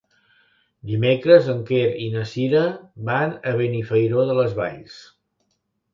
Dimecres en Quer i na Sira van a Benifairó de les Valls.